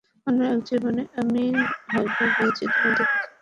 অন্য এক জীবনে আমি হয়তো গিয়েছি তোমার কাছে।